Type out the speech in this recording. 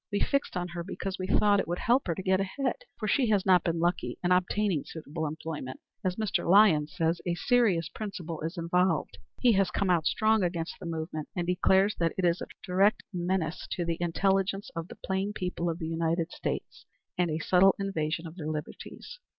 We fixed on her because we thought it would help her to get ahead, for she has not been lucky in obtaining suitable employment. As Mr. Lyons says, a serious principle is involved. He has come out strong against the movement and declares that it is a direct menace to the intelligence of the plain people of the United States and a subtle invasion of their liberties."